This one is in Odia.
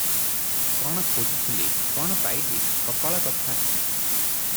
କଣ ଖୋଜୁଥିଲି, କଣ ପାଇଲି- କପାଳ କଥା!